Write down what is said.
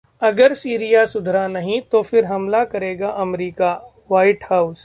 अगर सीरिया सुधरा नहीं, तो फिर हमला करेगा अमेरिकाः व्हाइट हाउस